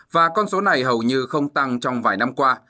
và con số này hầu như không tăng trong vài năm qua